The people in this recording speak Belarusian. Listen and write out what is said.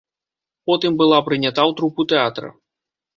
Потым была прынята ў трупу тэатра.